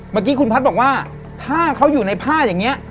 เมื่อกี้คุณพัฒน์บอกว่าถ้าเขาอยู่ในผ้าอย่างนี้